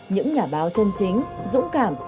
những nhà báo chân chính dũng cảm